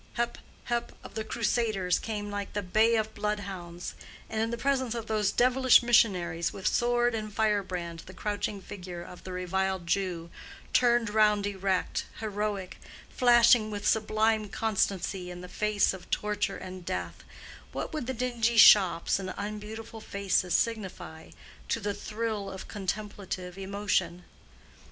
Hep! Hep! of the Crusaders came like the bay of blood hounds; and in the presence of those devilish missionaries with sword and firebrand the crouching figure of the reviled Jew turned round erect, heroic, flashing with sublime constancy in the face of torture and death—what would the dingy shops and unbeautiful faces signify to the thrill of contemplative emotion?